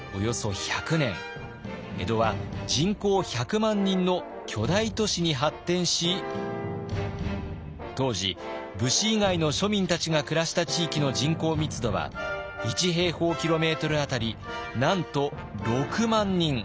江戸は人口１００万人の巨大都市に発展し当時武士以外の庶民たちが暮らした地域の人口密度は１平方キロメートル当たりなんと６万人。